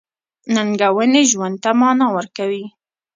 • ننګونې ژوند ته مانا ورکوي.